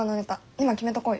今決めとこうよ。